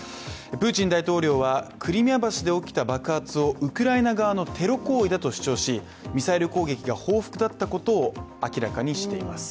プーチン大統領は、クリミア橋で起きた爆発をウクライナ側のテロ行為だと主張し、ミサイル攻撃が報復だったことを明らかにしています。